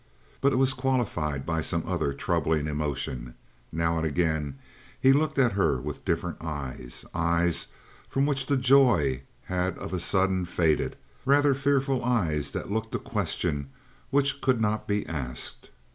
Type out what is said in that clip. But it was qualified by some other troubling emotion. Now and again he looked at her with different eyes eyes from which the joy had of a sudden faded, rather fearful eyes that looked a question which could not be asked.